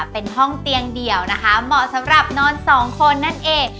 เป็นห้องเตียงเดี่ยวนะคะเหมาะสำหรับนอนสองคนนั่นเอง